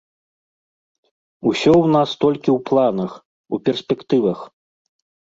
Усё ў нас толькі ў планах, у перспектывах.